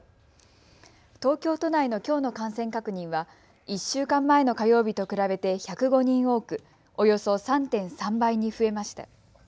東京都内のきょうの感染確認は１週間前の火曜日と比べて１０５人多く、およそ３．３倍に増えました。